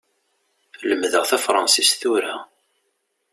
Lemmdeɣ tafransist tura.